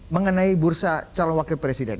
mengenai bursa calon wakil presiden